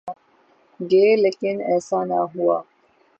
گے لیکن ایسا نہ ہوا۔